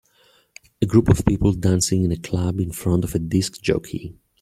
A group of people dancing in a club in front of a disk jockey.